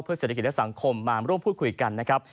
เศรษฐกิจและสังคมมาร่วมพูดคุยกันนะครับ